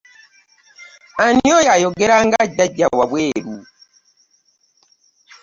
Ani oyo ayogera nga jjajja wabweru?